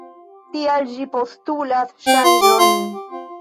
Tial ĝi postulas ŝanĝojn.